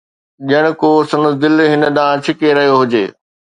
ڄڻ ڪو سندس دل هن ڏانهن ڇڪي رهيو هجي